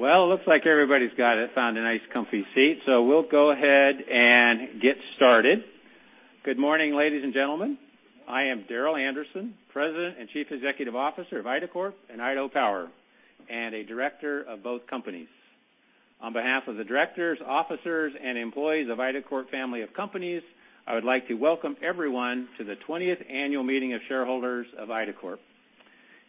Looks like everybody's found a nice comfy seat, we'll go ahead and get started. Good morning, ladies and gentlemen. I am Darrel T. Anderson, President and Chief Executive Officer of IDACORP and Idaho Power, and a Director of both companies. On behalf of the Directors, Officers, and employees of IDACORP family of companies, I would like to welcome everyone to the 20th annual meeting of shareholders of IDACORP.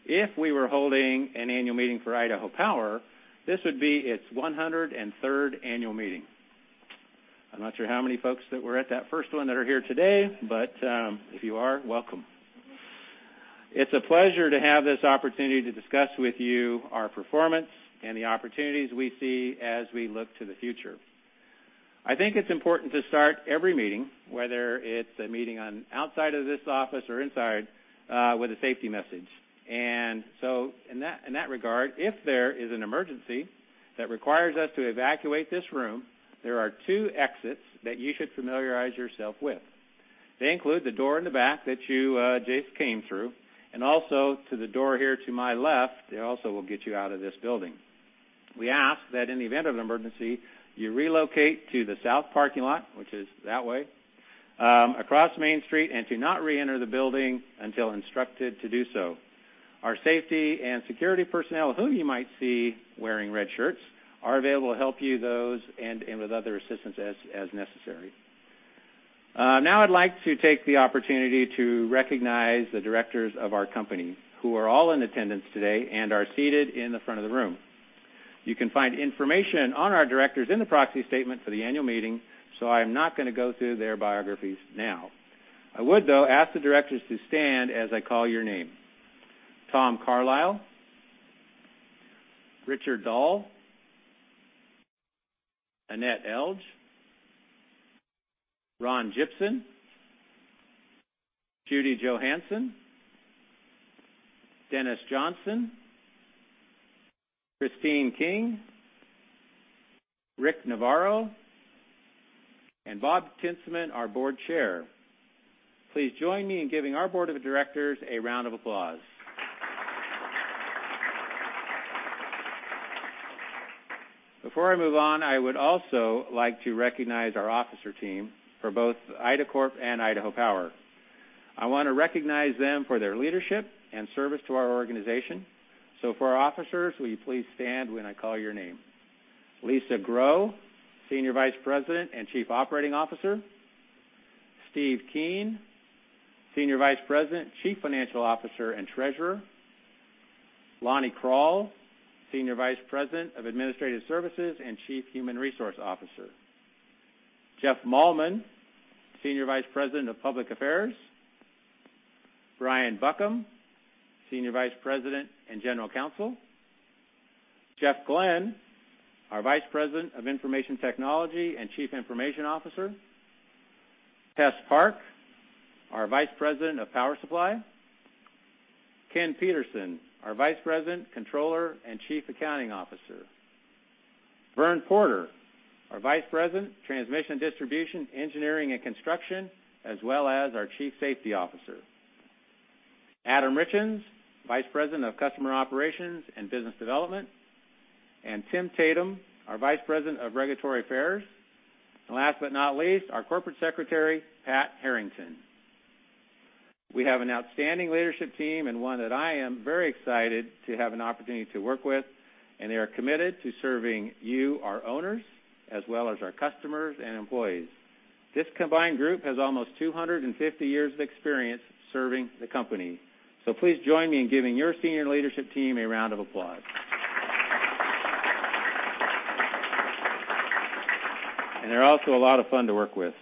If we were holding an annual meeting for Idaho Power, this would be its 103rd annual meeting. I'm not sure how many folks that were at that first one that are here today, if you are, welcome. It's a pleasure to have this opportunity to discuss with you our performance and the opportunities we see as we look to the future. I think it's important to start every meeting, whether it's a meeting on outside of this office or inside, with a safety message. In that regard, if there is an emergency that requires us to evacuate this room, there are two exits that you should familiarize yourself with. They include the door in the back that you just came through, and also to the door here to my left, it also will get you out of this building. We ask that in the event of an emergency, you relocate to the south parking lot, which is that way, across Main Street, and to not reenter the building until instructed to do so. Our safety and security personnel, who you might see wearing red shirts, are available to help you those and with other assistance as necessary. I'd like to take the opportunity to recognize the Directors of our company who are all in attendance today and are seated in the front of the room. You can find information on our Directors in the proxy statement for the annual meeting, I am not going to go through their biographies now. I would, though, ask the Directors to stand as I call your name. Tom Carlile, Richard Dahl, Annette G. Elg, Ron Jibson, Judy Johansen, Dennis Johnson, Christine King, Rick Navarro, and Bob Tinstman, our Board Chair. Please join me in giving our Board of Directors a round of applause. Before I move on, I would also like to recognize our Officer team for both IDACORP and Idaho Power. I want to recognize them for their leadership and service to our organization. For our Officers, will you please stand when I call your name? Lisa A. Grow, Senior Vice President and Chief Operating Officer. Steven R. Keen, Senior Vice President, Chief Financial Officer, and Treasurer. Lonnie Krall, Senior Vice President of Administrative Services and Chief Human Resource Officer. Jeffrey L. Malmen, Senior Vice President of Public Affairs. Brian R. Buckham, Senior Vice President and General Counsel. Jeffrey S. Glenn, our Vice President of Information Technology and Chief Information Officer. Tessia Park, our Vice President of Power Supply. Ken W. Petersen, our Vice President, Controller, and Chief Accounting Officer. N. Vern Porter, our Vice President, Transmission, Distribution, Engineering, and Construction, as well as our Chief Safety Officer. Adam J. Richins, Vice President of Customer Operations and Business Development, and Timothy E. Tatum, our Vice President of Regulatory Affairs. Last but not least, our Corporate Secretary, Patrick A. Harrington. We have an outstanding leadership team and one that I am very excited to have an opportunity to work with, and they are committed to serving you, our owners, as well as our customers and employees. This combined group has almost 250 years of experience serving the company. Please join me in giving your senior leadership team a round of applause. They're also a lot of fun to work with,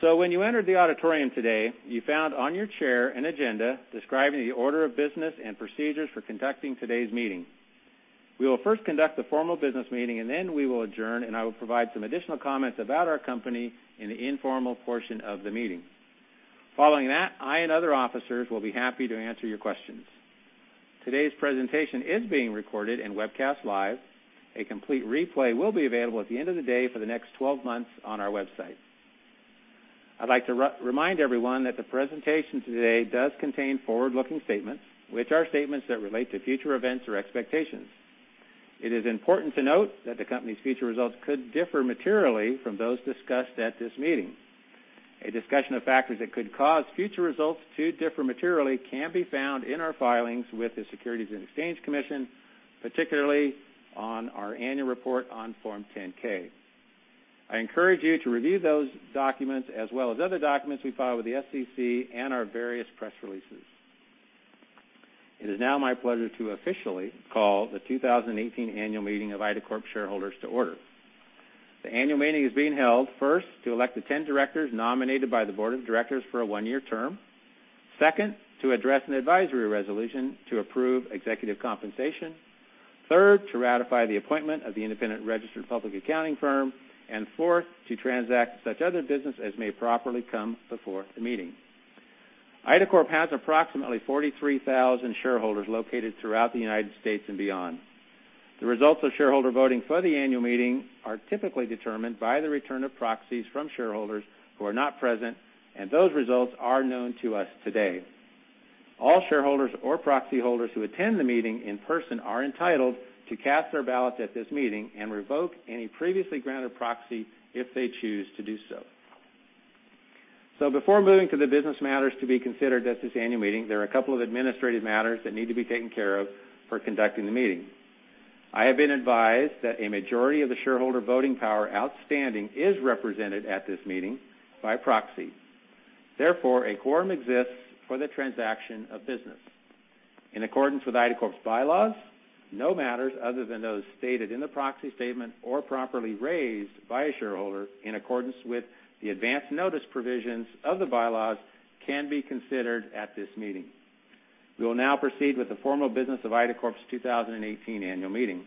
so. When you entered the auditorium today, you found on your chair an agenda describing the order of business and procedures for conducting today's meeting. We will first conduct the formal business meeting, and then we will adjourn, and I will provide some additional comments about our company in the informal portion of the meeting. Following that, I and other officers will be happy to answer your questions. Today's presentation is being recorded and webcast live. A complete replay will be available at the end of the day for the next 12 months on our website. I'd like to remind everyone that the presentation today does contain forward-looking statements, which are statements that relate to future events or expectations. It is important to note that the company's future results could differ materially from those discussed at this meeting. A discussion of factors that could cause future results to differ materially can be found in our filings with the Securities and Exchange Commission, particularly on our annual report on Form 10-K. I encourage you to review those documents as well as other documents we file with the SEC and our various press releases. It is now my pleasure to officially call the 2018 annual meeting of IDACORP shareholders to order. The annual meeting is being held, first, to elect the 10 directors nominated by the board of directors for a one-year term. Second, to address an advisory resolution to approve executive compensation. Third, to ratify the appointment of the independent registered public accounting firm. Fourth, to transact such other business as may properly come before the meeting. IDACORP has approximately 43,000 shareholders located throughout the U.S. and beyond. The results of shareholder voting for the annual meeting are typically determined by the return of proxies from shareholders who are not present, and those results are known to us today. All shareholders or proxy holders who attend the meeting in person are entitled to cast their ballot at this meeting and revoke any previously granted proxy if they choose to do so. Before moving to the business matters to be considered at this annual meeting, there are a couple of administrative matters that need to be taken care of for conducting the meeting. I have been advised that a majority of the shareholder voting power outstanding is represented at this meeting by proxy. Therefore, a quorum exists for the transaction of business. In accordance with IDACORP's bylaws, no matters other than those stated in the proxy statement or properly raised by a shareholder in accordance with the advance notice provisions of the bylaws can be considered at this meeting. We will now proceed with the formal business of IDACORP's 2018 annual meeting.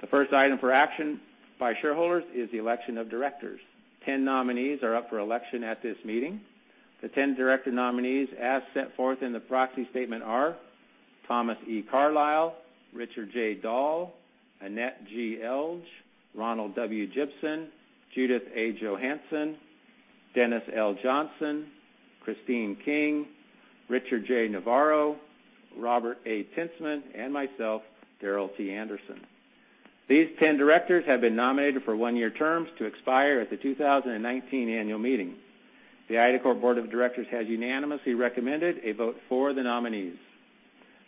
The first item for action by shareholders is the election of directors. 10 nominees are up for election at this meeting. The 10 director nominees, as set forth in the proxy statement are Thomas Carlile, Richard J. Dahl, Annette G. Elg, Ronald W. Jibson, Judith A. Johansen, Dennis L. Johnson, Christine King, Richard J. Navarro, Robert A. Tinstman, and myself, Darrel T. Anderson. These 10 directors have been nominated for one-year terms to expire at the 2019 annual meeting. The IDACORP board of directors has unanimously recommended a vote for the nominees.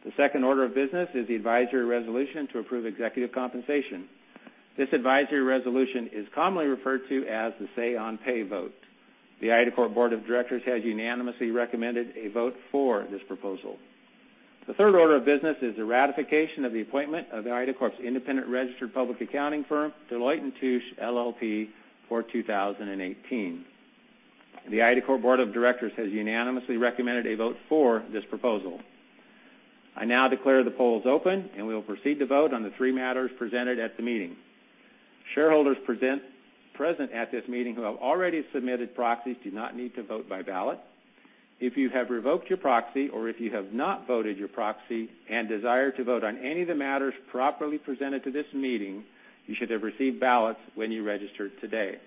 The second order of business is the advisory resolution to approve executive compensation. This advisory resolution is commonly referred to the say on pay vote. The IDACORP board of directors has unanimously recommended a vote for this proposal. The third order of business is the ratification of the appointment of IDACORP independent registered public accounting firm, Deloitte & Touche LLP for 2018. The IDACORP board of directors has unanimously recommended a vote for this proposal. I now declare the polls open. We will proceed to vote on the three matters presented at the meeting. Shareholders present at this meeting who have already submitted proxies do not need to vote by ballot. If you have revoked your proxy or if you have not voted your proxy and desire to vote on any of the matters properly presented to this meeting, you should have received ballots when you registered today.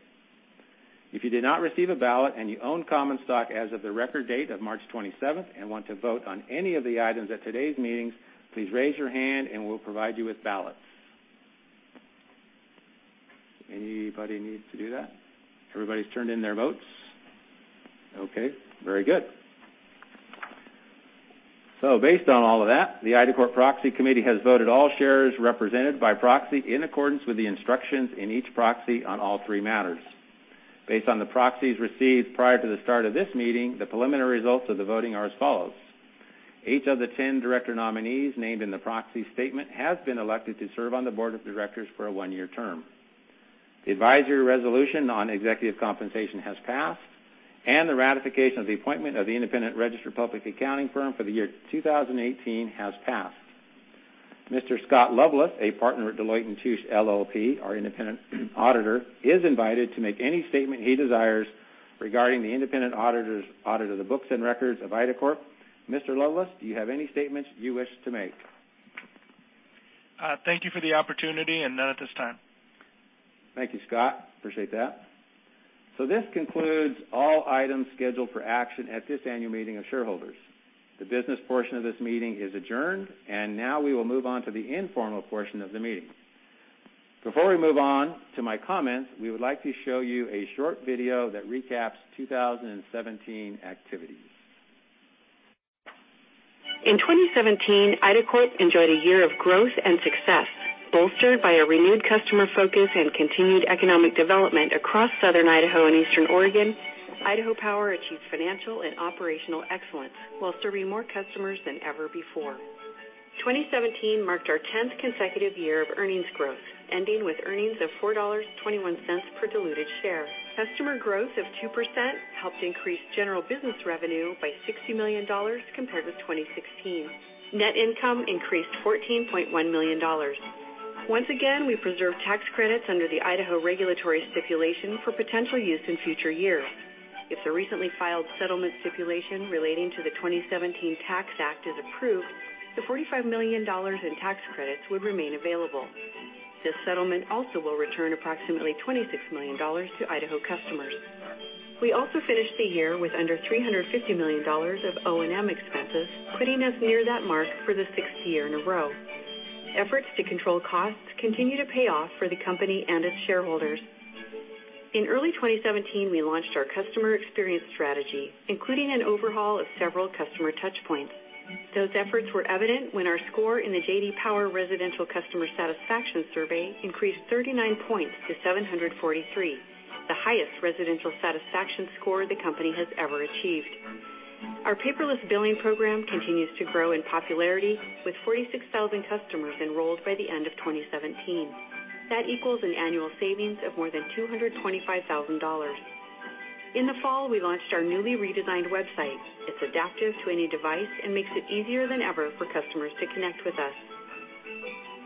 If you did not receive a ballot and you own common stock as of the record date of March 27th and want to vote on any of the items at today's meetings, please raise your hand and we'll provide you with ballots. Anybody needs to do that? Everybody's turned in their votes? Okay, very good. Based on all of that, the IDACORP Proxy Committee has voted all shares represented by proxy in accordance with the instructions in each proxy on all three matters. Based on the proxies received prior to the start of this meeting, the preliminary results of the voting are as follows. Eight of the 10 director nominees named in the proxy statement have been elected to serve on the board of directors for a one-year term. The advisory resolution on executive compensation has passed. The ratification of the appointment of the independent registered public accounting firm for the year 2018 has passed. Mr. Scott Loveless, a partner at Deloitte & Touche LLP, our independent auditor, is invited to make any statement he desires regarding the independent auditor's audit of the books and records of IDACORP. Mr. Loveless, do you have any statements you wish to make? Thank you for the opportunity. None at this time. Thank you, Scott. Appreciate that. This concludes all items scheduled for action at this Annual Meeting of Shareholders. The business portion of this meeting is adjourned, and now we will move on to the informal portion of the meeting. Before we move on to my comments, we would like to show you a short video that recaps 2017 activities. In 2017, IDACORP enjoyed a year of growth and success. Bolstered by a renewed customer focus and continued economic development across Southern Idaho and Eastern Oregon, Idaho Power achieved financial and operational excellence while serving more customers than ever before. 2017 marked our 10th consecutive year of earnings growth, ending with earnings of $4.21 per diluted share. Customer growth of 2% helped increase general business revenue by $60 million compared with 2016. Net income increased $14.1 million. Once again, we preserved tax credits under the Idaho regulatory stipulation for potential use in future years. If the recently filed settlement stipulation relating to the 2017 Tax Act is approved, the $45 million in tax credits would remain available. This settlement also will return approximately $26 million to Idaho customers. We also finished the year with under $350 million of O&M expenses, putting us near that mark for the sixth year in a row. Efforts to control costs continue to pay off for the company and its shareholders. In early 2017, we launched our customer experience strategy, including an overhaul of several customer touchpoints. Those efforts were evident when our score in the J.D. Power Residential Customer Satisfaction Survey increased 39 points to 743, the highest residential satisfaction score the company has ever achieved. Our paperless billing program continues to grow in popularity with 46,000 customers enrolled by the end of 2017. That equals an annual savings of more than $225,000. In the fall, we launched our newly redesigned website. It's adaptive to any device and makes it easier than ever for customers to connect with us.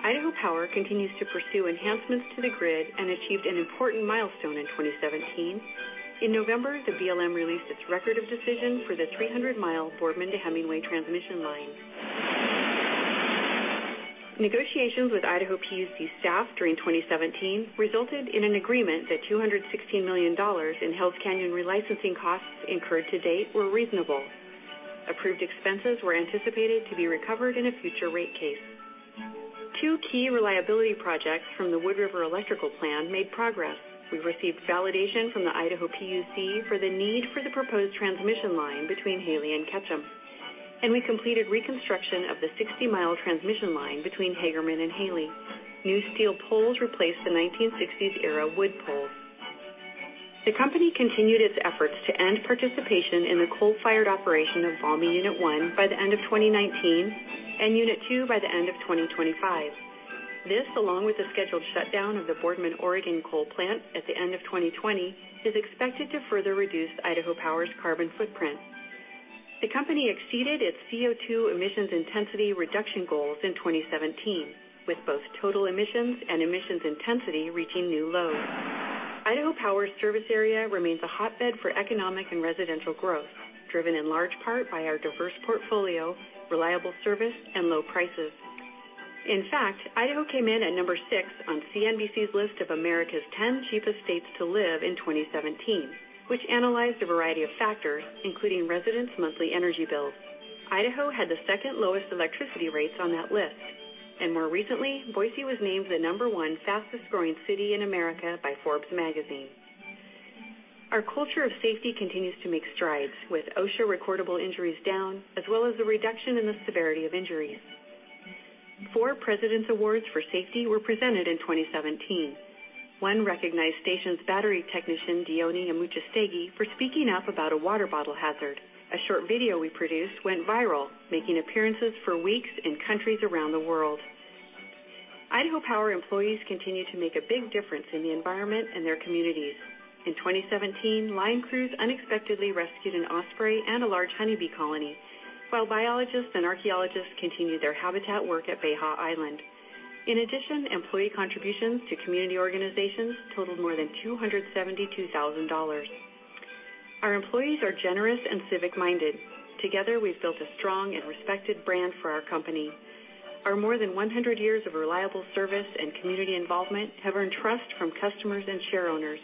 Idaho Power continues to pursue enhancements to the grid and achieved an important milestone in 2017. In November, the BLM released its record of decision for the 300-mile Boardman to Hemingway transmission lines. Negotiations with Idaho PUC staff during 2017 resulted in an agreement that $216 million in Hells Canyon relicensing costs incurred to date were reasonable. Approved expenses were anticipated to be recovered in a future rate case. Two key reliability projects from the Wood River Electrical Plan made progress. We received validation from the Idaho PUC for the need for the proposed transmission line between Hailey and Ketchum, and we completed reconstruction of the 60-mile transmission line between Hagerman and Hailey. New steel poles replaced the 1960s-era wood poles. The company continued its efforts to end participation in the coal-fired operation of Valmy Unit One by the end of 2019 and Unit Two by the end of 2025. This, along with the scheduled shutdown of the Boardman Oregon Coal Plant at the end of 2020, is expected to further reduce Idaho Power's carbon footprint. The company exceeded its CO2 emissions intensity reduction goals in 2017, with both total emissions and emissions intensity reaching new lows. Idaho Power's service area remains a hotbed for economic and residential growth, driven in large part by our diverse portfolio, reliable service, and low prices. In fact, Idaho came in at number 6 on CNBC's list of America's 10 cheapest states to live in 2017, which analyzed a variety of factors, including residents' monthly energy bills. Idaho had the second lowest electricity rates on that list. More recently, Boise was named the number 1 fastest-growing city in America by Forbes Magazine. Our culture of safety continues to make strides, with OSHA recordable injuries down, as well as a reduction in the severity of injuries. Four Presidential Safety Awards were presented in 2017. One recognized stations battery technician, Dioni Amuchastegui, for speaking up about a water bottle hazard. A short video we produced went viral, making appearances for weeks in countries around the world. Idaho Power employees continue to make a big difference in the environment and their communities. In 2017, line crews unexpectedly rescued an osprey and a large honeybee colony, while biologists and archaeologists continued their habitat work at Bayha Island. In addition, employee contributions to community organizations totaled more than $272,000. Our employees are generous and civic-minded. Together, we've built a strong and respected brand for our company. Our more than 100 years of reliable service and community involvement have earned trust from customers and share owners.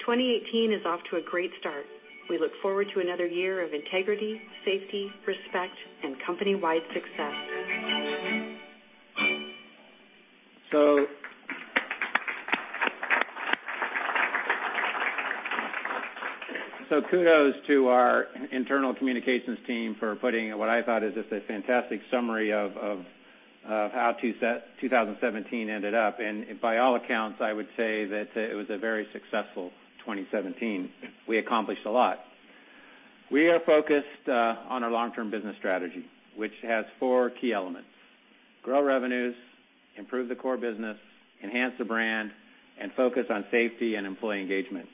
2018 is off to a great start. We look forward to another year of integrity, safety, respect, and company-wide success. Kudos to our internal communications team for putting what I thought is just a fantastic summary of how 2017 ended up. By all accounts, I would say that it was a very successful 2017. We accomplished a lot. We are focused on our long-term business strategy, which has 4 key elements. Grow revenues, improve the core business, enhance the brand, and focus on safety and employee engagement.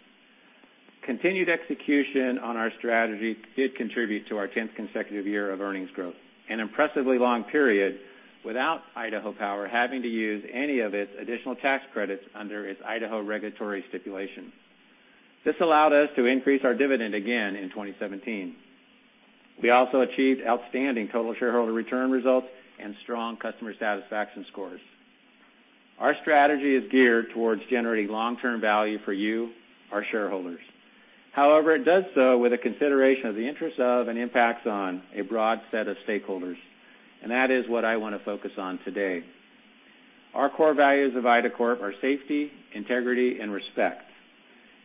Continued execution on our strategy did contribute to our 10th consecutive year of earnings growth, an impressively long period without Idaho Power having to use any of its additional tax credits under its Idaho regulatory stipulation. This allowed us to increase our dividend again in 2017. We also achieved outstanding total shareholder return results and strong customer satisfaction scores. Our strategy is geared towards generating long-term value for you, our shareholders. However, it does so with a consideration of the interests of and impacts on a broad set of stakeholders. That is what I want to focus on today. Our core values of IDACORP are safety, integrity, and respect.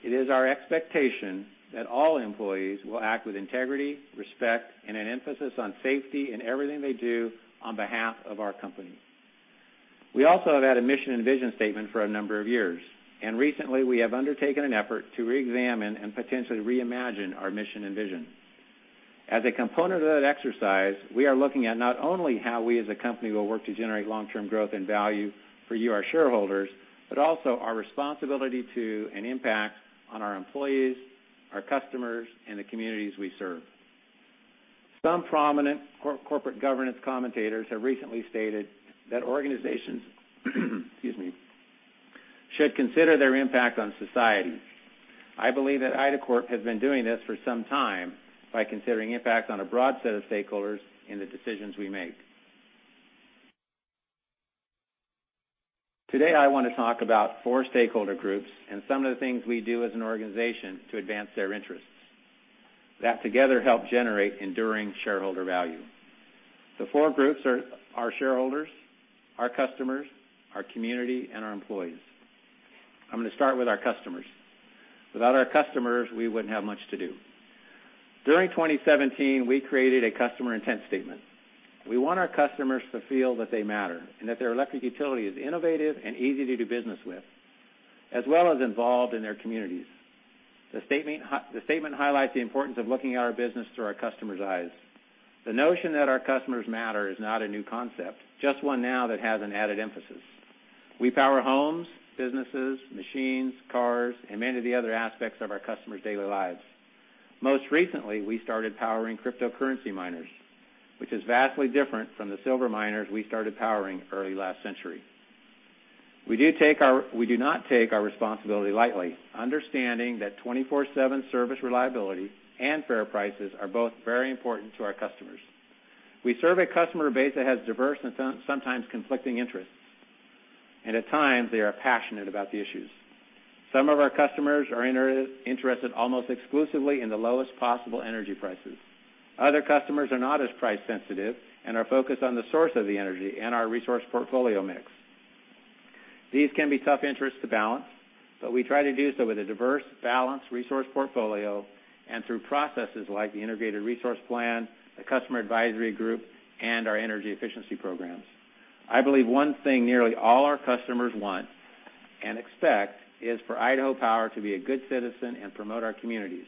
It is our expectation that all employees will act with integrity, respect, and an emphasis on safety in everything they do on behalf of our company. We also have had a mission and vision statement for a number of years, and recently we have undertaken an effort to reexamine and potentially reimagine our mission and vision. As a component of that exercise, we are looking at not only how we as a company will work to generate long-term growth and value for you, our shareholders, but also our responsibility to and impact on our employees, our customers, and the communities we serve. Some prominent corporate governance commentators have recently stated that organizations should consider their impact on society. I believe that IDACORP has been doing this for some time by considering impact on a broad set of stakeholders in the decisions we make. Today, I want to talk about four stakeholder groups and some of the things we do as an organization to advance their interests that together help generate enduring shareholder value. The four groups are our shareholders, our customers, our community, and our employees. I am going to start with our customers. Without our customers, we wouldn't have much to do. During 2017, we created a customer intent statement. We want our customers to feel that they matter and that their electric utility is innovative and easy to do business with, as well as involved in their communities. The statement highlights the importance of looking at our business through our customers' eyes. The notion that our customers matter is not a new concept, just one now that has an added emphasis. We power homes, businesses, machines, cars, and many of the other aspects of our customers' daily lives. Most recently, we started powering cryptocurrency miners, which is vastly different from the silver miners we started powering early last century. We do not take our responsibility lightly, understanding that 24/7 service reliability and fair prices are both very important to our customers. We serve a customer base that has diverse and sometimes conflicting interests, and at times they are passionate about the issues. Some of our customers are interested almost exclusively in the lowest possible energy prices. Other customers are not as price sensitive and are focused on the source of the energy and our resource portfolio mix. These can be tough interests to balance, but we try to do so with a diverse, balanced resource portfolio and through processes like the Integrated Resource Plan, the Customer Advisory Group, and our energy efficiency programs. I believe one thing nearly all our customers want and expect is for Idaho Power to be a good citizen and promote our communities.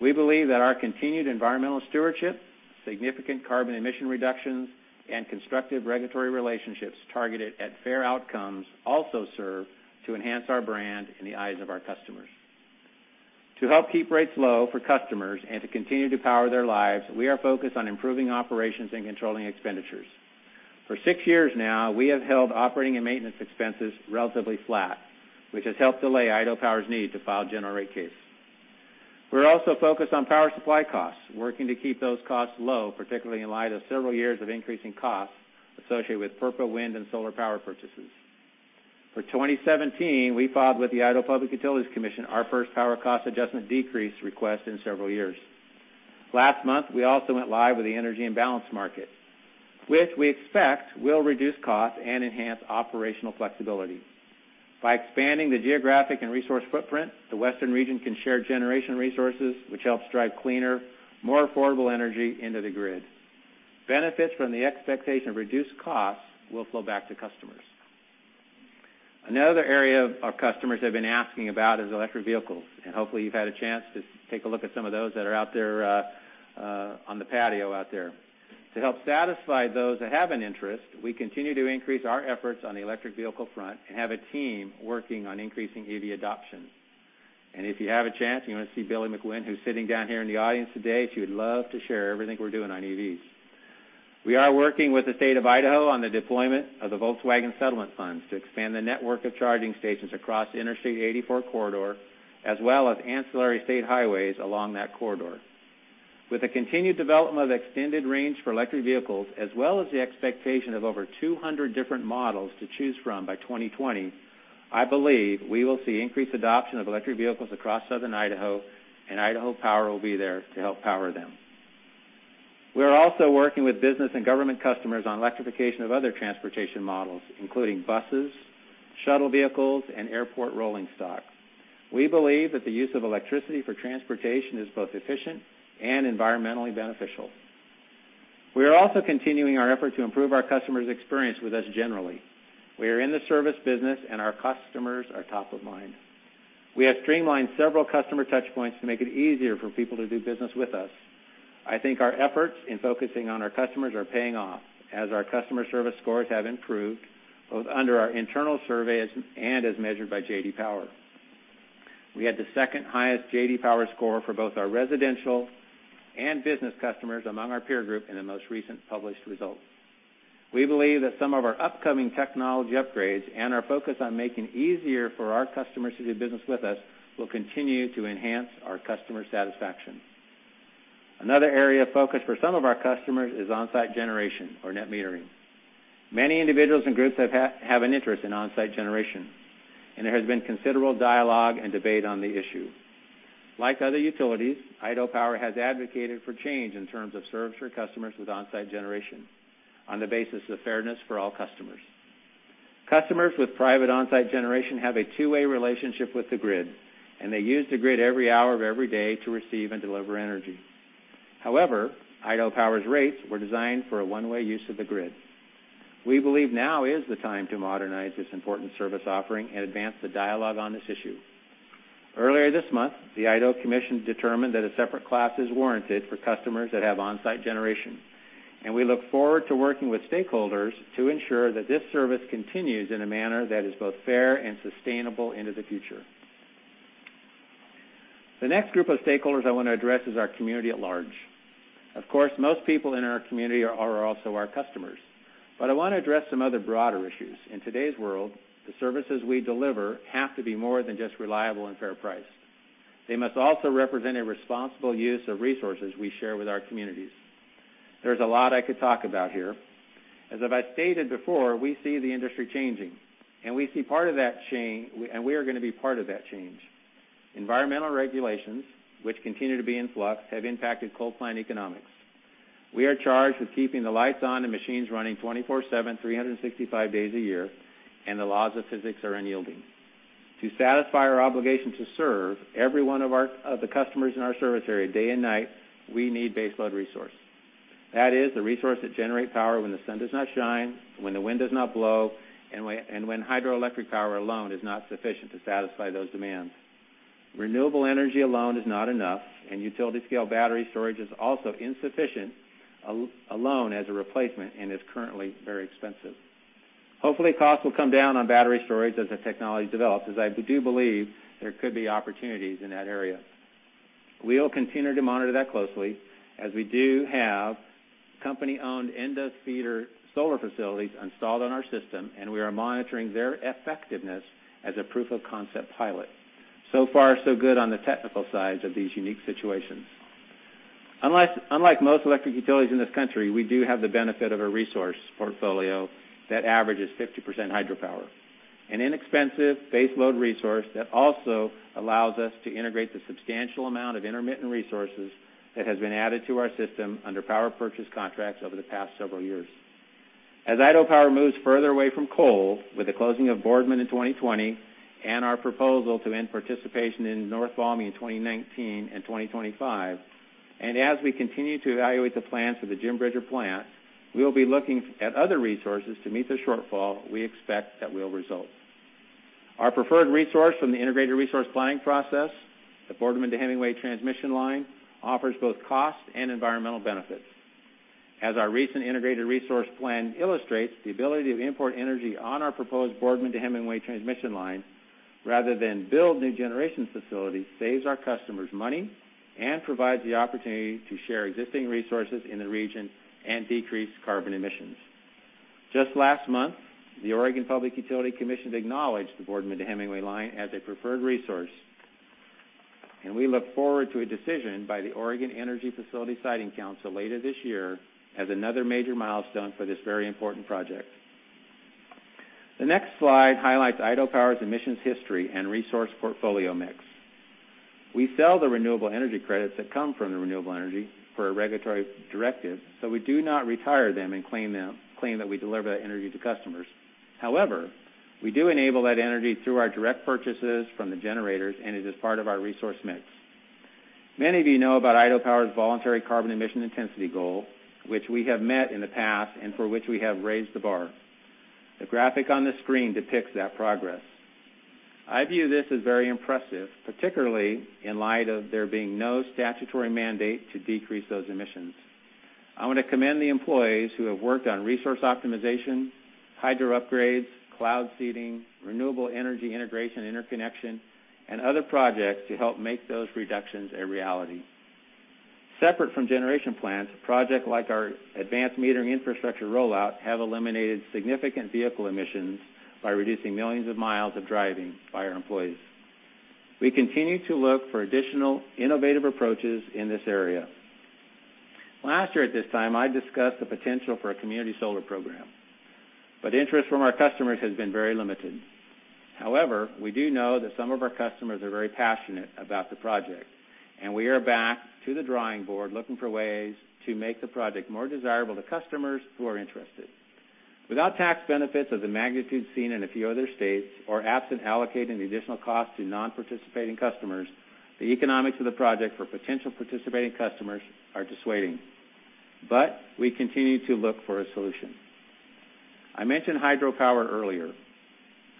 We believe that our continued environmental stewardship, significant carbon emission reductions, and constructive regulatory relationships targeted at fair outcomes also serve to enhance our brand in the eyes of our customers. To help keep rates low for customers and to continue to power their lives, we are focused on improving operations and controlling expenditures. For six years now, we have held operating and maintenance expenses relatively flat, which has helped delay Idaho Power's need to file a general rate case. We're also focused on power supply costs, working to keep those costs low, particularly in light of several years of increasing costs associated with PURPA wind and solar power purchases. For 2017, we filed with the Idaho Public Utilities Commission our first power cost adjustment decrease request in several years. Last month, we also went live with the energy imbalance market, which we expect will reduce costs and enhance operational flexibility. By expanding the geographic and resource footprint, the western region can share generation resources, which helps drive cleaner, more affordable energy into the grid. Benefits from the expectation of reduced costs will flow back to customers. Another area our customers have been asking about is electric vehicles, hopefully you've had a chance to take a look at some of those that are out there on the patio out there. To help satisfy those that have an interest, we continue to increase our efforts on the electric vehicle front and have a team working on increasing EV adoption. If you have a chance and you want to see Billy McGuinn, who's sitting down here in the audience today, she would love to share everything we're doing on EVs. We are working with the state of Idaho on the deployment of the Volkswagen settlement funds to expand the network of charging stations across the Interstate 84 corridor, as well as ancillary state highways along that corridor. With the continued development of extended range for electric vehicles, as well as the expectation of over 200 different models to choose from by 2020, I believe we will see increased adoption of electric vehicles across southern Idaho, and Idaho Power will be there to help power them. We are also working with business and government customers on electrification of other transportation models, including buses, shuttle vehicles, and airport rolling stock. We believe that the use of electricity for transportation is both efficient and environmentally beneficial. We are also continuing our effort to improve our customers' experience with us generally. We are in the service business, our customers are top of mind. We have streamlined several customer touch points to make it easier for people to do business with us. I think our efforts in focusing on our customers are paying off as our customer service scores have improved, both under our internal surveys and as measured by J.D. Power. We had the second highest J.D. Power score for both our residential and business customers among our peer group in the most recent published results. We believe that some of our upcoming technology upgrades and our focus on making it easier for our customers to do business with us will continue to enhance our customer satisfaction. Another area of focus for some of our customers is on-site generation or net metering. Many individuals and groups have an interest in on-site generation, there has been considerable dialogue and debate on the issue. Like other utilities, Idaho Power has advocated for change in terms of service for customers with on-site generation on the basis of fairness for all customers. Customers with private on-site generation have a two-way relationship with the grid, they use the grid every hour of every day to receive and deliver energy. However, Idaho Power's rates were designed for a one-way use of the grid. We believe now is the time to modernize this important service offering and advance the dialogue on this issue. Earlier this month, the Idaho Commission determined that a separate class is warranted for customers that have on-site generation. We look forward to working with stakeholders to ensure that this service continues in a manner that is both fair and sustainable into the future. The next group of stakeholders I want to address is our community at large. Of course, most people in our community are also our customers. I want to address some other broader issues. In today's world, the services we deliver have to be more than just reliable and fair priced. They must also represent a responsible use of resources we share with our communities. There's a lot I could talk about here. As I've stated before, we see the industry changing, and we are going to be part of that change. Environmental regulations, which continue to be in flux, have impacted coal plant economics. We are charged with keeping the lights on and machines running 24/7, 365 days a year, and the laws of physics are unyielding. To satisfy our obligation to serve every one of the customers in our service area day and night, we need base load resource. That is, the resource that generates power when the sun does not shine, when the wind does not blow, and when hydroelectric power alone is not sufficient to satisfy those demands. Renewable energy alone is not enough, and utility-scale battery storage is also insufficient alone as a replacement and is currently very expensive. Hopefully, costs will come down on battery storage as the technology develops, as I do believe there could be opportunities in that area. We will continue to monitor that closely as we do have company-owned industrial feeder solar facilities installed on our system, and we are monitoring their effectiveness as a proof of concept pilot. So far so good on the technical sides of these unique situations. Unlike most electric utilities in this country, we do have the benefit of a resource portfolio that averages 50% hydropower. An inexpensive base load resource that also allows us to integrate the substantial amount of intermittent resources that has been added to our system under power purchase contracts over the past several years. As Idaho Power moves further away from coal, with the closing of Boardman in 2020 and our proposal to end participation in North Valmy in 2019 and 2025, as we continue to evaluate the plans for the Jim Bridger plant, we'll be looking at other resources to meet the shortfall we expect that will result. Our preferred resource from the integrated resource planning process, the Boardman to Hemingway transmission line, offers both cost and environmental benefits. As our recent Integrated Resource Plan illustrates, the ability to import energy on our proposed Boardman to Hemingway transmission line, rather than build new generation facilities, saves our customers money and provides the opportunity to share existing resources in the region and decrease carbon emissions. Just last month, the Oregon Public Utility Commission acknowledged the Boardman to Hemingway line as a preferred resource, and we look forward to a decision by the Oregon Energy Facility Siting Council later this year as another major milestone for this very important project. The next slide highlights Idaho Power's emissions history and resource portfolio mix. We sell the renewable energy credits that come from the renewable energy per regulatory directive, so we do not retire them and claim that we deliver that energy to customers. However, we do enable that energy through our direct purchases from the generators, and it is part of our resource mix. Many of you know about Idaho Power's voluntary carbon emission intensity goal, which we have met in the past and for which we have raised the bar. The graphic on the screen depicts that progress. I view this as very impressive, particularly in light of there being no statutory mandate to decrease those emissions. I want to commend the employees who have worked on resource optimization, hydro upgrades, cloud seeding, renewable energy integration, interconnection, and other projects to help make those reductions a reality. Separate from generation plants, projects like our advanced metering infrastructure rollout have eliminated significant vehicle emissions by reducing millions of miles of driving by our employees. We continue to look for additional innovative approaches in this area. Last year at this time, I discussed the potential for a community solar program, but interest from our customers has been very limited. However, we do know that some of our customers are very passionate about the project, and we are back to the drawing board looking for ways to make the project more desirable to customers who are interested. Without tax benefits of the magnitude seen in a few other states or absent allocating the additional cost to non-participating customers, the economics of the project for potential participating customers are dissuading. We continue to look for a solution. I mentioned hydropower earlier.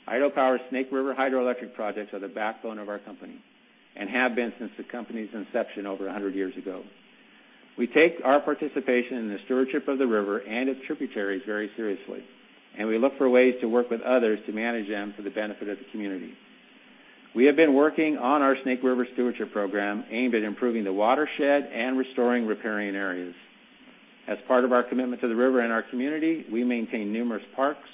Idaho Power's Snake River hydroelectric projects are the backbone of our company and have been since the company's inception over 100 years ago. We take our participation in the stewardship of the river and its tributaries very seriously, and we look for ways to work with others to manage them for the benefit of the community. We have been working on our Snake River Stewardship Program aimed at improving the watershed and restoring riparian areas. As part of our commitment to the river and our community, we maintain numerous parks,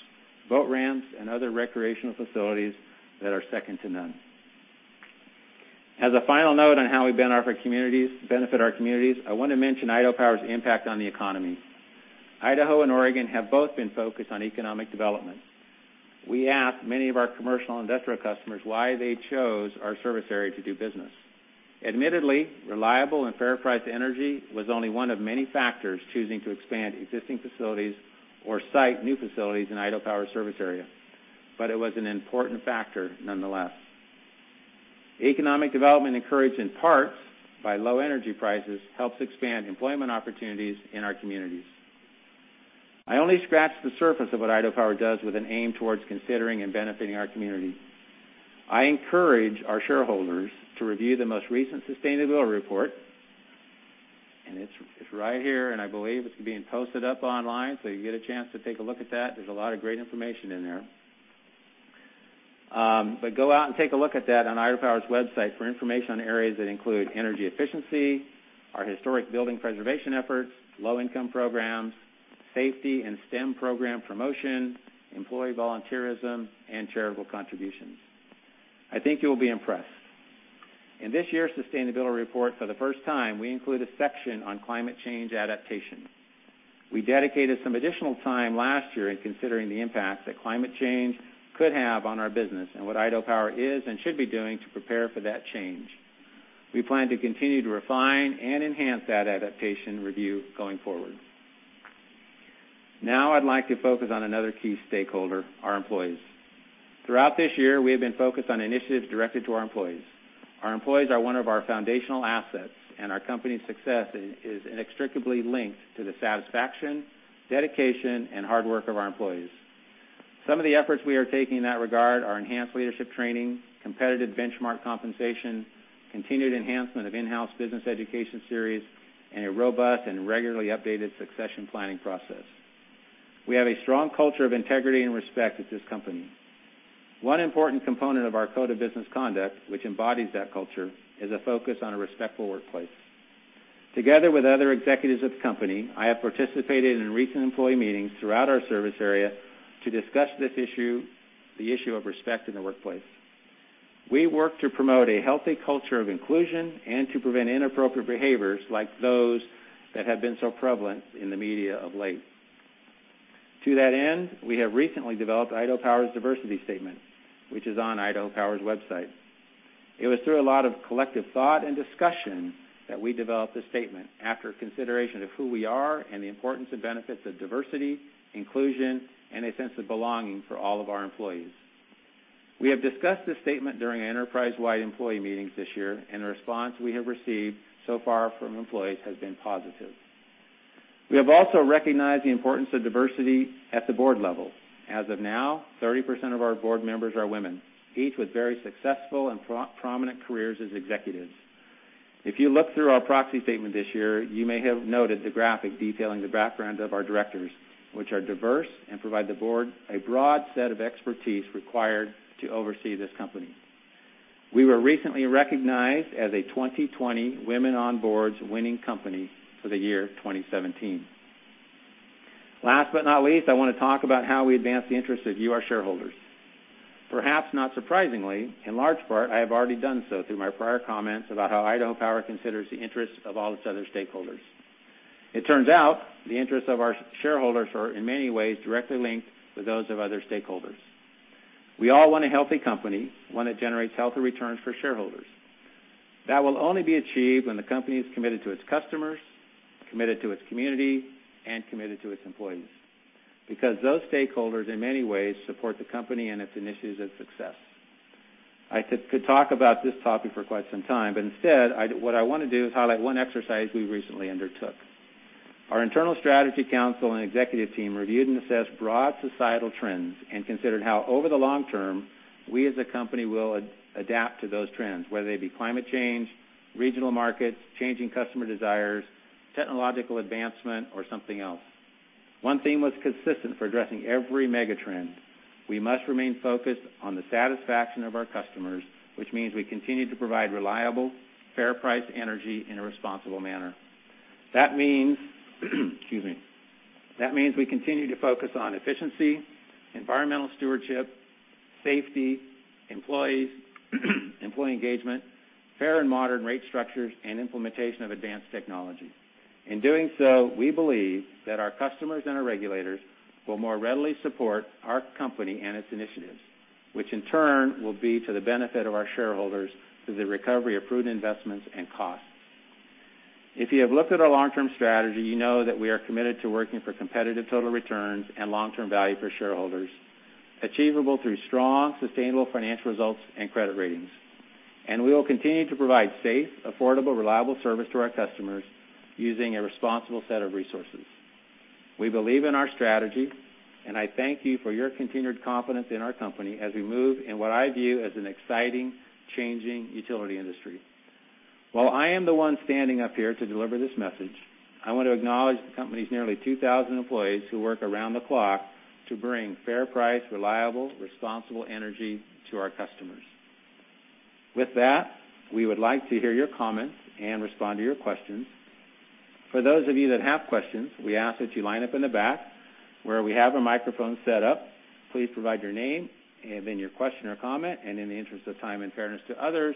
boat ramps, and other recreational facilities that are second to none. As a final note on how we benefit our communities, I want to mention Idaho Power's impact on the economy. Idaho and Oregon have both been focused on economic development. We ask many of our commercial industrial customers why they chose our service area to do business. Admittedly, reliable and fair priced energy was only one of many factors choosing to expand existing facilities or site new facilities in Idaho Power service area. It was an important factor nonetheless. Economic development encouraged in parts by low energy prices, helps expand employment opportunities in our communities. I only scratched the surface of what Idaho Power does with an aim towards considering and benefiting our community. I encourage our shareholders to review the most recent sustainability report, and it's right here, and I believe it's being posted up online, so you get a chance to take a look at that. There's a lot of great information in there. Go out and take a look at that on Idaho Power's website for information on areas that include energy efficiency, our historic building preservation efforts, low-income programs, safety and STEM program promotion, employee volunteerism, and charitable contributions. I think you'll be impressed. In this year's sustainability report, for the first time, we include a section on climate change adaptation. We dedicated some additional time last year in considering the impacts that climate change could have on our business and what Idaho Power is and should be doing to prepare for that change. We plan to continue to refine and enhance that adaptation review going forward. I'd like to focus on another key stakeholder, our employees. Throughout this year, we have been focused on initiatives directed to our employees. Our employees are one of our foundational assets, our company's success is inextricably linked to the satisfaction, dedication, and hard work of our employees. Some of the efforts we are taking in that regard are enhanced leadership training, competitive benchmark compensation, continued enhancement of in-house business education series, and a robust and regularly updated succession planning process. We have a strong culture of integrity and respect at this company. One important component of our code of business conduct, which embodies that culture, is a focus on a respectful workplace. Together with other executives of the company, I have participated in recent employee meetings throughout our service area to discuss this issue, the issue of respect in the workplace. We work to promote a healthy culture of inclusion and to prevent inappropriate behaviors like those that have been so prevalent in the media of late. To that end, we have recently developed Idaho Power's diversity statement, which is on Idaho Power's website. It was through a lot of collective thought and discussion that we developed this statement after consideration of who we are and the importance and benefits of diversity, inclusion, and a sense of belonging for all of our employees. We have discussed this statement during enterprise-wide employee meetings this year, and the response we have received so far from employees has been positive. We have also recognized the importance of diversity at the board level. As of now, 30% of our board members are women, each with very successful and prominent careers as executives. If you look through our proxy statement this year, you may have noted the graphic detailing the background of our directors, which are diverse and provide the board a broad set of expertise required to oversee this company. We were recently recognized as a 2020 Women on Boards winning company for the year 2017. Last but not least, I want to talk about how we advance the interests of you, our shareholders. Perhaps not surprisingly, in large part, I have already done so through my prior comments about how Idaho Power considers the interests of all its other stakeholders. It turns out the interests of our shareholders are, in many ways, directly linked with those of other stakeholders. We all want a healthy company, one that generates healthy returns for shareholders. That will only be achieved when the company is committed to its customers, committed to its community, and committed to its employees, because those stakeholders, in many ways, support the company and its initiatives of success. I could talk about this topic for quite some time, but instead, what I want to do is highlight one exercise we recently undertook. Our internal strategy council and executive team reviewed and assessed broad societal trends and considered how over the long term, we as a company will adapt to those trends, whether they be climate change, regional markets, changing customer desires, technological advancement, or something else. One theme was consistent for addressing every mega trend. We must remain focused on the satisfaction of our customers, which means we continue to provide reliable, fair-priced energy in a responsible manner. That means we continue to focus on efficiency, environmental stewardship, safety, employees, employee engagement, fair and modern rate structures, and implementation of advanced technologies. In doing so, we believe that our customers and our regulators will more readily support our company and its initiatives, which in turn will be to the benefit of our shareholders through the recovery of prudent investments and costs. If you have looked at our long-term strategy, you know that we are committed to working for competitive total returns and long-term value for shareholders, achievable through strong, sustainable financial results and credit ratings. We will continue to provide safe, affordable, reliable service to our customers using a responsible set of resources. We believe in our strategy, and I thank you for your continued confidence in our company as we move in what I view as an exciting, changing utility industry. While I am the one standing up here to deliver this message, I want to acknowledge the company's nearly 2,000 employees who work around the clock to bring fair-priced, reliable, responsible energy to our customers. With that, we would like to hear your comments and respond to your questions. For those of you that have questions, we ask that you line up in the back where we have a microphone set up. Please provide your name and then your question or comment. In the interest of time and fairness to others,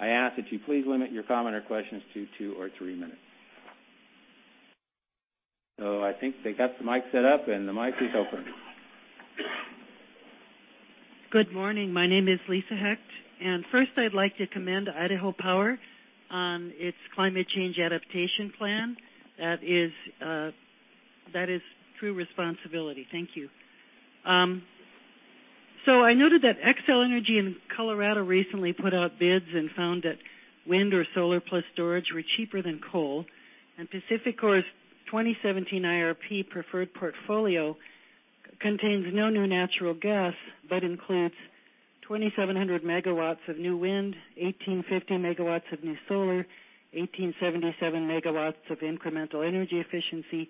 I ask that you please limit your comment or questions to two or three minutes. I think they got the mic set up and the mic is open. Good morning. My name is Lisa Hecht. First I'd like to commend Idaho Power on its climate change adaptation plan. That is true responsibility. Thank you. I noted that Xcel Energy in Colorado recently put out bids and found that wind or solar plus storage were cheaper than coal, and PacifiCorp's 2017 IRP preferred portfolio contains no new natural gas, but includes 2,700 megawatts of new wind, 1,850 megawatts of new solar, 1,877 megawatts of incremental energy efficiency,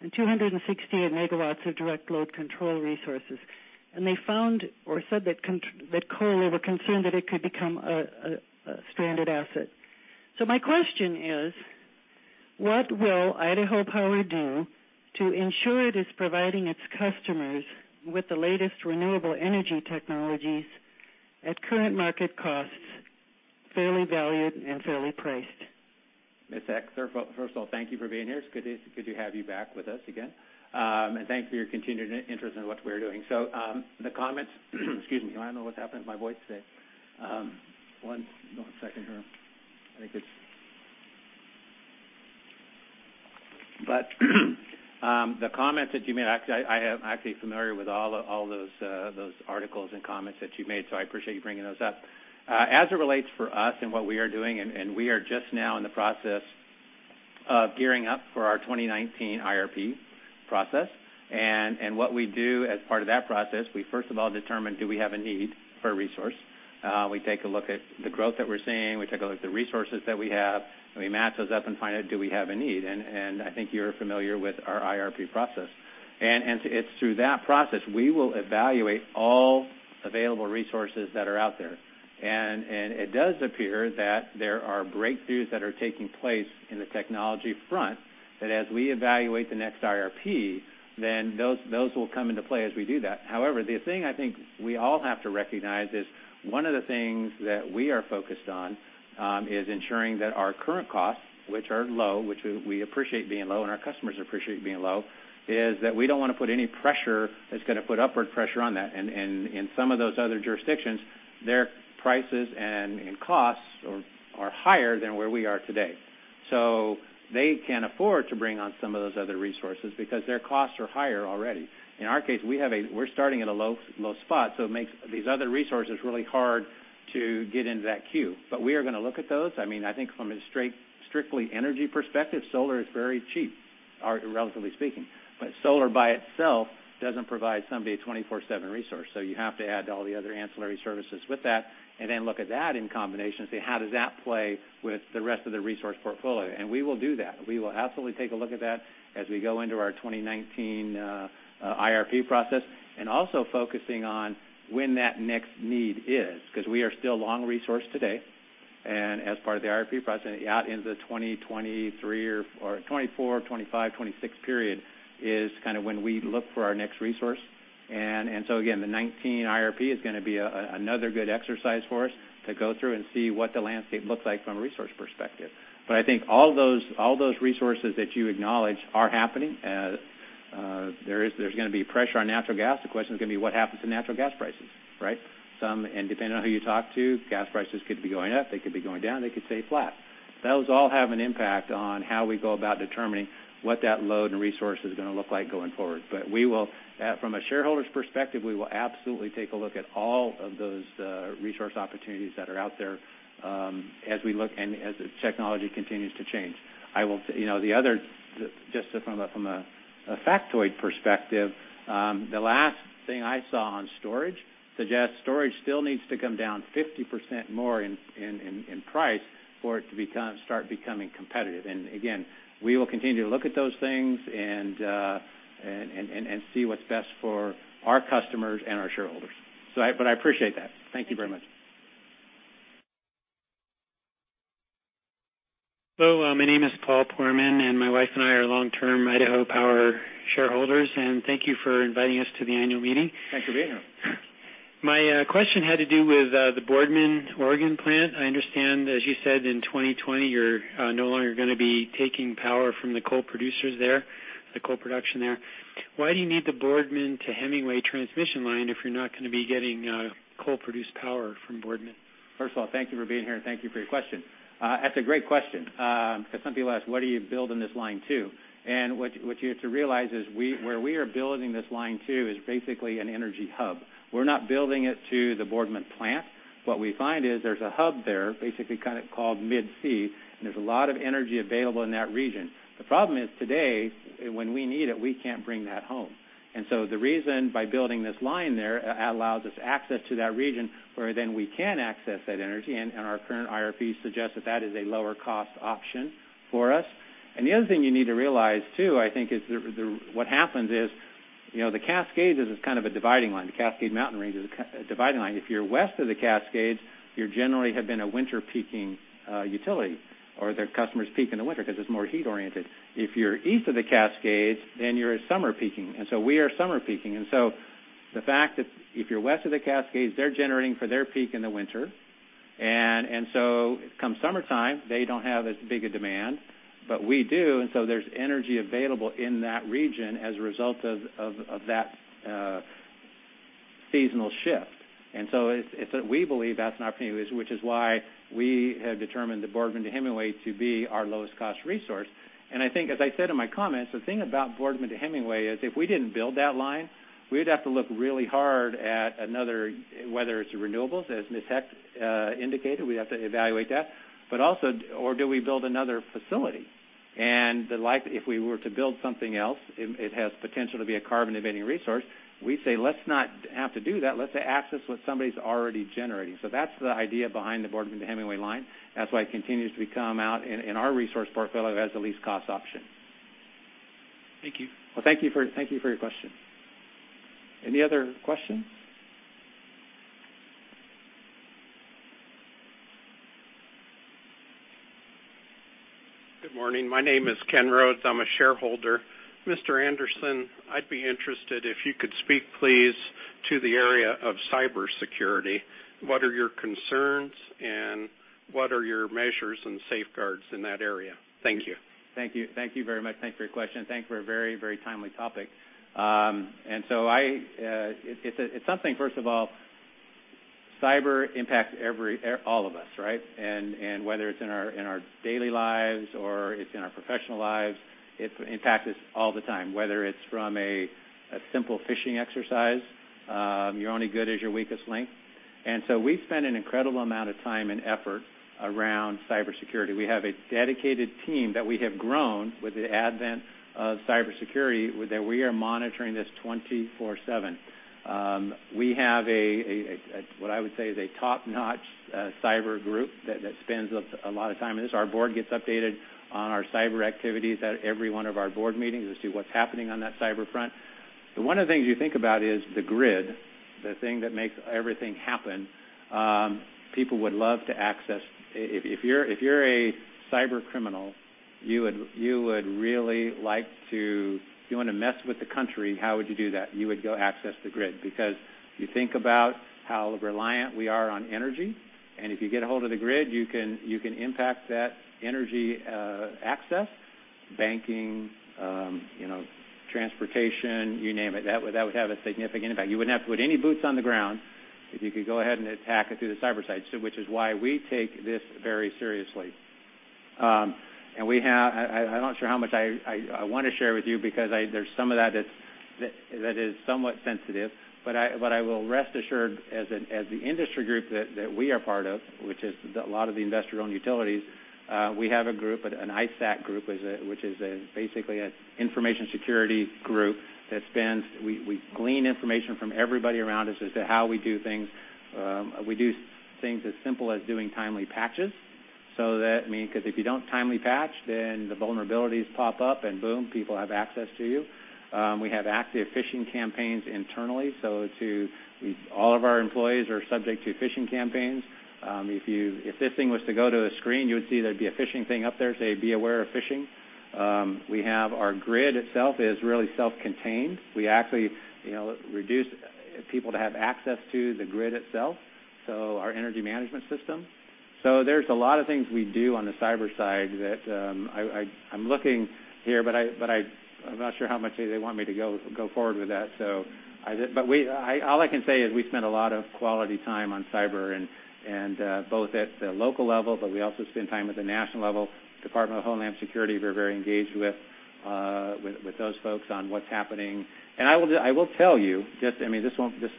and 268 megawatts of direct load control resources. They found or said that coal, they were concerned that it could become a stranded asset. My question is, what will Idaho Power do to ensure it is providing its customers with the latest renewable energy technologies at current market costs, fairly valued and fairly priced? Ms. Hecht, first of all, thank you for being here. It's good to have you back with us again. Thanks for your continued interest in what we're doing. The comments that you made, I am actually familiar with all those articles and comments that you've made, so I appreciate you bringing those up. As it relates for us and what we are doing, we are just now in the process of gearing up for our 2019 IRP process. What we do as part of that process, we first of all determine, do we have a need for a resource? We take a look at the growth that we're seeing, we take a look at the resources that we have, and we match those up and find out do we have a need. I think you're familiar with our IRP process. It's through that process, we will evaluate all available resources that are out there. It does appear that there are breakthroughs that are taking place in the technology front, that as we evaluate the next IRP, those will come into play as we do that. The thing I think we all have to recognize is one of the things that we are focused on is ensuring that our current costs, which are low, which we appreciate being low, and our customers appreciate being low, is that we don't want to put any pressure that's going to put upward pressure on that. In some of those other jurisdictions, their prices and costs are higher than where we are today. They can afford to bring on some of those other resources because their costs are higher already. In our case, we're starting at a low spot, so it makes these other resources really hard to get into that queue. We are going to look at those. I think from a strictly energy perspective, solar is very cheap, relatively speaking. Solar by itself doesn't provide somebody a 24/7 resource. You have to add all the other ancillary services with that and look at that in combination and say, how does that play with the rest of the resource portfolio? We will do that. We will absolutely take a look at that as we go into our 2019 IRP process. Also focusing on when that next need is, because we are still long resource today. As part of the IRP process, out into the 2023 or 2024, 2025, 2026 period is when we look for our next resource. Again, the 2019 IRP is going to be another good exercise for us to go through and see what the landscape looks like from a resource perspective. I think all those resources that you acknowledge are happening. There's going to be pressure on natural gas. The question is going to be what happens to natural gas prices, right? Depending on who you talk to, gas prices could be going up, they could be going down, they could stay flat. Those all have an impact on how we go about determining what that load and resource is going to look like going forward. From a shareholder's perspective, we will absolutely take a look at all of those resource opportunities that are out there as the technology continues to change. Just from a factoid perspective, the last thing I saw on storage suggests storage still needs to come down 50% more in price for it to start becoming competitive. Again, we will continue to look at those things and see what's best for our customers and our shareholders. I appreciate that. Thank you very much. Hello, my name is Paul Poorman and my wife and I are long-term Idaho Power shareholders. Thank you for inviting us to the annual meeting. Thanks for being here. My question had to do with the Boardman, Oregon plant. I understand, as you said, in 2020 you're no longer going to be taking power from the coal producers there, the coal production there. Why do you need the Boardman to Hemingway transmission line if you're not going to be getting coal-produced power from Boardman? First of all, thank you for being here and thank you for your question. That's a great question. Some people ask, what do you build in this line to? What you have to realize is where we are building this line to is basically an energy hub. We're not building it to the Boardman plant. What we find is there's a hub there, basically called Mid-C, and there's a lot of energy available in that region. The problem is today, when we need it, we can't bring that home. The reason by building this line there allows us access to that region where then we can access that energy, and our current IRP suggests that that is a lower cost option for us. The other thing you need to realize too, I think, is what happens is the Cascades is a dividing line. The Cascade Mountain Range is a dividing line. If you're west of the Cascades, you generally have been a winter peaking utility, or their customers peak in the winter because it's more heat oriented. If you're east of the Cascades, you're a summer peaking. We are summer peaking. The fact that if you're west of the Cascades, they're generating for their peak in the winter. Come summertime, they don't have as big a demand, but we do. There's energy available in that region as a result of that seasonal shift. We believe that's an opportunity, which is why we have determined the Boardman to Hemingway to be our lowest cost resource. I think, as I said in my comments, the thing about Boardman to Hemingway is if we didn't build that line, we'd have to look really hard at whether it's renewables, as Ms. Hecht indicated, we'd have to evaluate that. Do we build another facility? If we were to build something else, it has potential to be a carbon emitting resource. We say let's not have to do that. Let's access what somebody's already generating. That's the idea behind the Boardman to Hemingway line. That's why it continues to come out in our resource portfolio as the least cost option. Thank you. Thank you for your question. Any other questions? Good morning. My name is Ken Rhodes. I'm a shareholder. Mr. Anderson, I'd be interested if you could speak, please, to the area of cybersecurity. What are your concerns and what are your measures and safeguards in that area? Thank you. Thank you. Thank you very much. Thanks for your question. Thanks for a very timely topic. It's something, first of all, cyber impacts all of us, right? Whether it's in our daily lives or it's in our professional lives, it impacts us all the time. Whether it's from a simple phishing exercise, you're only good as your weakest link. We've spent an incredible amount of time and effort around cybersecurity. We have a dedicated team that we have grown with the advent of cybersecurity, that we are monitoring this 24/7. We have what I would say is a top-notch cyber group that spends a lot of time on this. Our Board gets updated on our cyber activities at every one of our Board meetings to see what's happening on that cyber front. One of the things you think about is the grid, the thing that makes everything happen. People would love to access. If you're a cybercriminal, you want to mess with the country, how would you do that? You would go access the grid because you think about how reliant we are on energy, and if you get a hold of the grid, you can impact that energy access, banking, transportation, you name it. That would have a significant impact. You wouldn't have to put any boots on the ground if you could go ahead and attack it through the cyber side, which is why we take this very seriously. I'm not sure how much I want to share with you because there's some of that is somewhat sensitive, but I will rest assured as the industry group that we are part of, which is a lot of the investor-owned utilities, we have a group, an ISAC group, which is basically an information security group. We glean information from everybody around us as to how we do things. We do things as simple as doing timely patches. That means, because if you don't timely patch, then the vulnerabilities pop up and boom, people have access to you. We have active phishing campaigns internally, so all of our employees are subject to phishing campaigns. If this thing was to go to a screen, you would see there'd be a phishing thing up there, say, "Be aware of phishing." We have our grid itself is really self-contained. We actually reduce people to have access to the grid itself, so our energy management system. There's a lot of things we do on the cyber side that, I'm looking here, but I'm not sure how much they want me to go forward with that. All I can say is we've spent a lot of quality time on cyber both at the local level, but we also spend time at the national level. Department of Homeland Security, we're very engaged with those folks on what's happening. I will tell you, this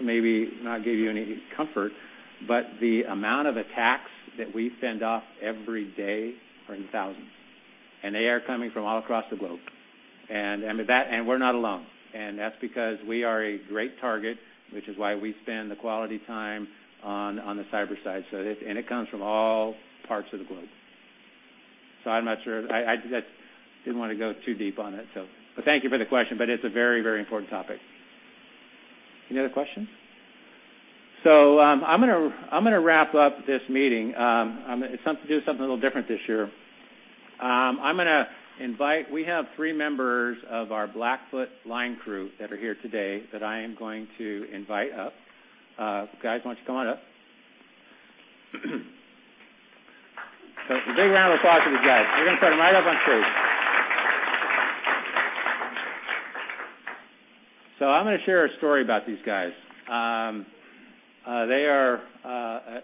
may be not give you any comfort, but the amount of attacks that we fend off every day are in the thousands, and they are coming from all across the globe. We're not alone. That's because we are a great target, which is why we spend the quality time on the cyber side. It comes from all parts of the globe. I'm not sure. I didn't want to go too deep on it. Thank you for the question, but it's a very, very important topic. Any other questions? I'm going to wrap up this meeting. Do something a little different this year. We have three members of our Blackfoot line crew that are here today that I am going to invite up. Guys, why don't you come on up? A big round of applause for these guys. We're going to start them right up on stage. I'm going to share a story about these guys. They are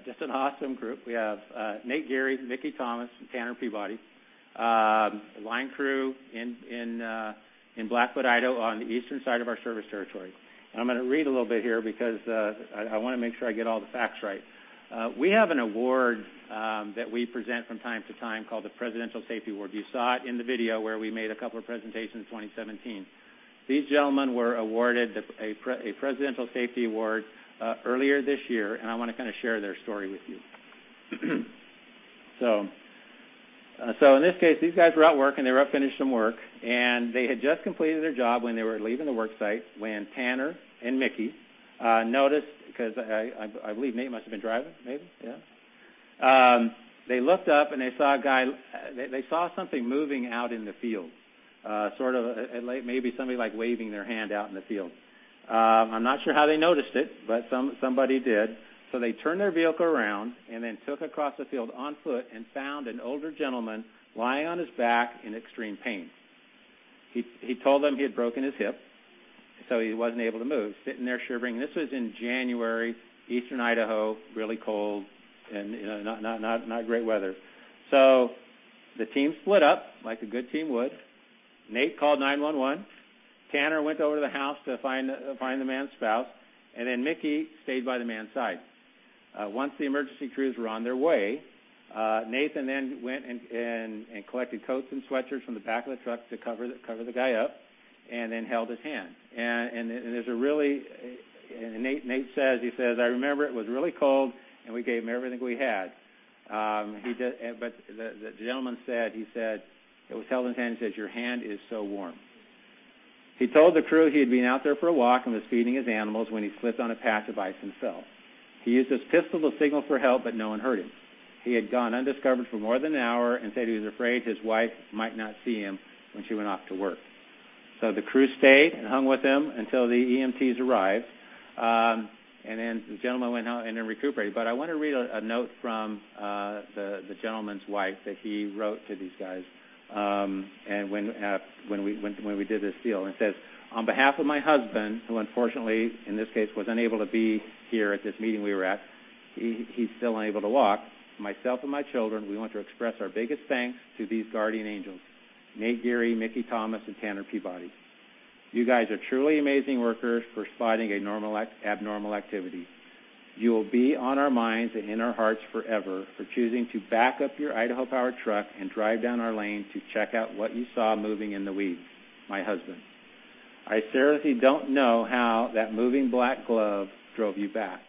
just an awesome group. We have Nate Geary, Mickey Thomas, and Tanner Peabody, line crew in Blackfoot, Idaho, on the eastern side of our service territory. I'm going to read a little bit here because, I want to make sure I get all the facts right. We have an award that we present from time to time called the Presidential Safety Award. You saw it in the video where we made a couple of presentations in 2017. These gentlemen were awarded a Presidential Safety Award earlier this year, and I want to share their story with you. In this case, these guys were at work, and they were up finishing some work, and they had just completed their job when they were leaving the work site when Tanner and Mickey noticed, because I believe Nate must have been driving. Maybe? Yeah. They looked up and they saw something moving out in the field, maybe somebody waving their hand out in the field. I'm not sure how they noticed it, but somebody did. They turned their vehicle around and took across the field on foot and found an older gentleman lying on his back in extreme pain. He told them he had broken his hip, so he wasn't able to move, sitting there shivering. This was in January, Eastern Idaho, really cold and not great weather. The team split up, like a good team would. Nate called 911. Tanner went over to the house to find the man's spouse, and Mickey stayed by the man's side. Once the emergency crews were on their way, Nathan went and collected coats and sweatshirts from the back of the truck to cover the guy up and held his hand. Nate says, he says, "I remember it was really cold, and we gave him everything we had." The gentleman said, he said, it was held in his hand. He says, "Your hand is so warm." He told the crew he had been out there for a walk and was feeding his animals when he slipped on a patch of ice and fell. He used his pistol to signal for help, but no one heard him. He had gone undiscovered for more than an hour and said he was afraid his wife might not see him when she went off to work. The crew stayed and hung with him until the EMTs arrived. The gentleman went home and recuperated. I want to read a note from the gentleman's wife that he wrote to these guys, when we did this deal, it says, "On behalf of my husband," who unfortunately, in this case, was unable to be here at this meeting we were at. He's still unable to walk. Myself and my children, we want to express our biggest thanks to these guardian angels, Nate Geary, Mickey Thomas, and Tanner Peabody." You guys are truly amazing workers for spotting abnormal activity. You will be on our minds and in our hearts forever for choosing to back up your Idaho Power truck and drive down our lane to check out what you saw moving in the weeds. My husband. I seriously don't know how that moving black glove drove you back.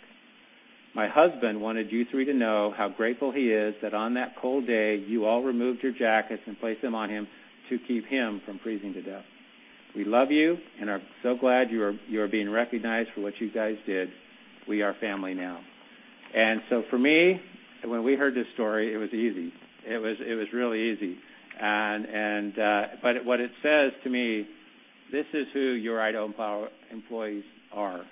My husband wanted you three to know how grateful he is that on that cold day, you all removed your jackets and placed them on him to keep him from freezing to death. We love you and are so glad you are being recognized for what you guys did. We are family now." For me, when we heard this story, it was easy. It was really easy. What it says to me, this is who your Idaho Power employees are.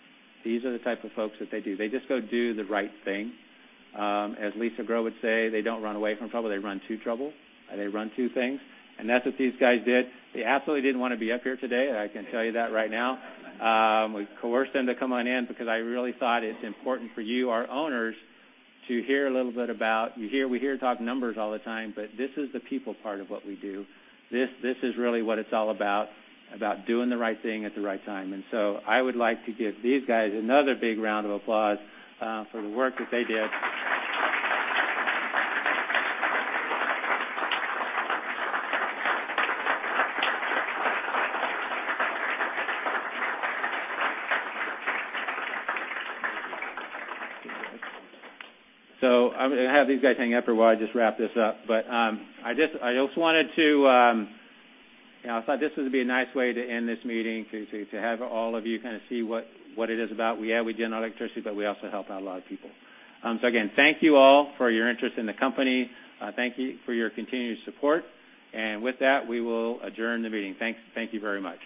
These are the type of folks that they do. They just go do the right thing. As Lisa Grow would say, they don't run away from trouble, they run to trouble, or they run to things. That's what these guys did. They absolutely didn't want to be up here today, I can tell you that right now. We coerced them to come on in because I really thought it's important for you, our owners, to hear a little about We hear talk numbers all the time, but this is the people part of what we do. This is really what it's all about doing the right thing at the right time. I would like to give these guys another big round of applause for the work that they did. I'm going to have these guys hang out for a while. I'll just wrap this up. I also thought this would be a nice way to end this meeting, to have all of you see what it is about. We generate electricity, but we also help out a lot of people. Again, thank you all for your interest in the company. Thank you for your continued support. With that, we will adjourn the meeting. Thank you very much.